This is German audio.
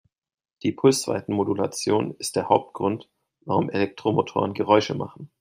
Die Pulsweitenmodulation ist der Hauptgrund, warum Elektromotoren Geräusche machen.